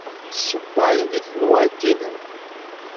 Tessewwayeḍ deg tenwalt-nnem.